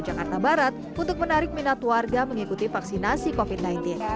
jakarta barat untuk menarik minat warga mengikuti vaksinasi covid sembilan belas